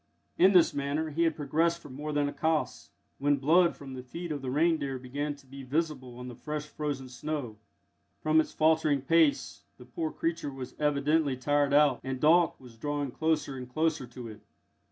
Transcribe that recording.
In this manner he had progressed for more than a kös, when blood from the feet of the reindeer began to be visible on the fresh frozen snow; from its faltering pace the poor creature was evidently tired out, and Dolk was drawing closer and closer to it.